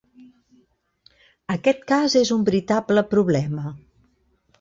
Aquest cas és un veritable problema.